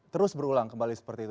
terus berulang kembali seperti itu